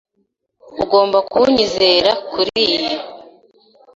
Ugomba kunyizera kuriyi.